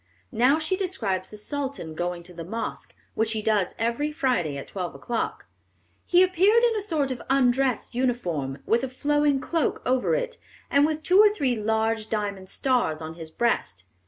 Now she describes the Sultan going to the mosque, which he does every Friday at twelve o'clock. "He appeared in a sort of undress uniform, with a flowing cloak over it, and with two or three large diamond stars on his breast.